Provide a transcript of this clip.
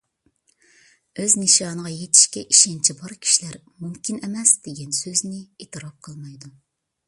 ئۆز نىشانىغا يېتىشكە ئىشەنچى بار كىشىلەر «مۇمكىن ئەمەس» دېگەن سۆزنى ئېتىراپ قىلمايدۇ.